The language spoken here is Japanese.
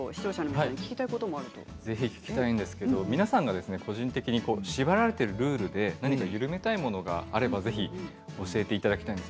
澤田さんから、皆さんに視聴者の皆さんにぜひ聞きたいんですけど皆さんが個人的に縛られているルールで、何か緩めたいものがればあれば教えていただきたいです。